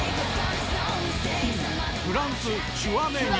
フランス、チュアメニ。